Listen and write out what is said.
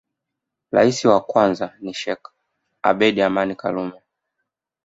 Rais wa kwanza ni Sheikh Abeid Aman Karume